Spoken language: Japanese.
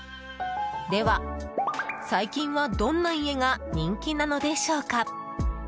では最近はどんな家が人気なのでしょうか？